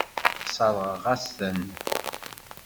Sseṛɣeɣ-as-ten.